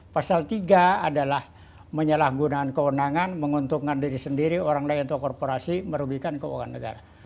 pasal tiga adalah menyalahgunaan kewenangan menguntungkan diri sendiri orang lain atau korporasi merugikan keuangan negara